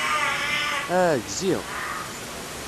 Ah, gziɣ.